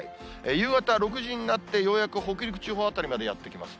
夕方６時になって、ようやく北陸地方辺りまでやって来ます。